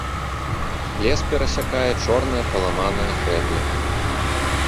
Лес перасякае чорная паламаная грэбля.